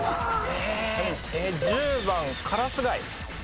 １０番カラスガイ。